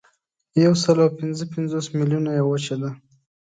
یوسلاوپینځهپنځوس میلیونه یې وچه ده.